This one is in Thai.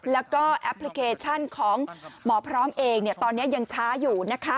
แล้วก็แอปพลิเคชันของหมอพร้อมเองตอนนี้ยังช้าอยู่นะคะ